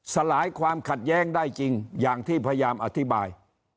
สลายความขัดแย้งได้จริงอย่างที่พยายามอธิบาย